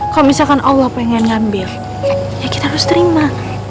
kalau misalkan allah ingin mengambil ya kita harus terima